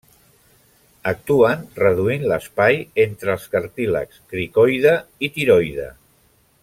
Actuen reduint l'espai entre els cartílags cricoide i tiroide.